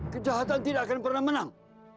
kejahatan tidak akan pernah menang